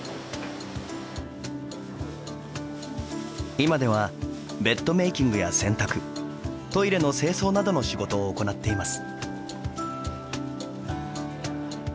今ではベッドメーキングや洗濯トイレの清掃などの仕事を行っています。